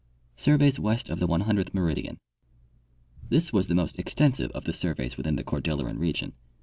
Surveys tvest of the 100th Meridian. — This was the most exten sive of the surveys within the Cordilleran region.